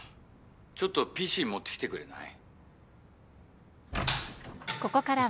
ちょっとＰＣ持ってきてくれない？